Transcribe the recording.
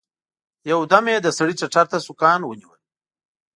يو دم يې د سړي ټتر ته سوکان ونيول.